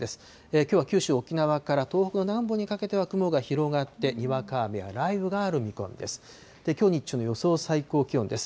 きょうは九州、沖縄から東北の南部にかけては雲が広がって、にわか雨や雷雨がある見込みです。